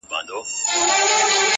• هر څه چي راپېښ ســولـــــه.